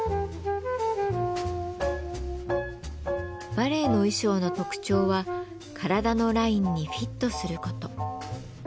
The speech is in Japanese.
バレエの衣装の特徴は体のラインにフィットする事。